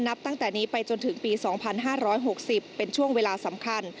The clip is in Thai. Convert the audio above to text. นับตั้งแต่นี้ไปจนถึงปี๒๕๖๐เป็นช่วงเวลาสำคัญ